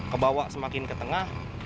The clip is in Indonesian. ke bawah semakin ke tengah